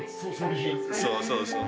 そうそうそう。